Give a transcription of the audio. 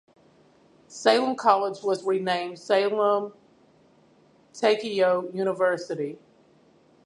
Salem College was renamed Salem-Teikyo University.